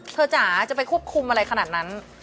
จ๋าจะไปควบคุมอะไรขนาดนั้น